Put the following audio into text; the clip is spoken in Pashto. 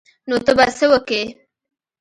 نو ته به څه وکې.